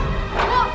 dedeknya lagi bubuk